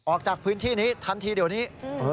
ออกจากพื้นที่นี้ทันทีเดี๋ยวนี้